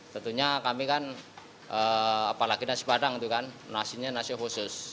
tentunya kami kan apalagi nasi padang itu kan nasinya nasi khusus